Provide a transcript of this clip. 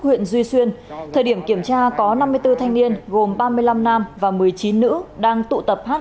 huyện duy xuyên thời điểm kiểm tra có năm mươi bốn thanh niên gồm ba mươi năm nam và một mươi chín nữ đang tụ tập hát